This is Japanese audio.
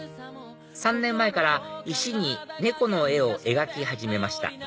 ３年前から石に猫の絵を描き始めました